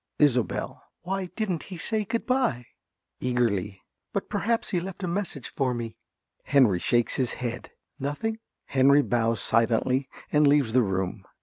~Isobel.~ Why didn't he say good bye? (Eagerly.) But perhaps he left a message for me? (Henry shakes his head.) Nothing? (_Henry bows silently and leaves the room.